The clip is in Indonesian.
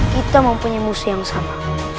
kita mempunyai musuh yang sama